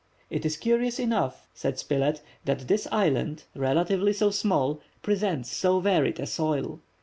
"It is curious enough," said Spilett, "that this island, relatively so small, presents so varied a soil.